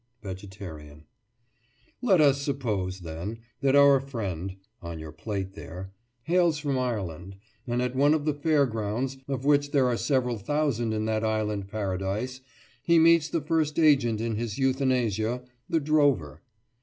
VEGETARIAN: Let us suppose, then, that our friend (on your plate there) hails from Ireland, and at one of the fair grounds, of which there are several thousand in that island paradise, he meets the first agent in his euthanasia—the drover.